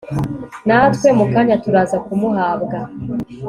natwe mukanya turaza kumuhabwa